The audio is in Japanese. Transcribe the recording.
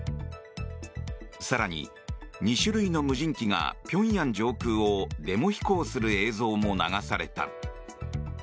更に、２種類の無人機が平壌上空をデモ飛行する映像も流された。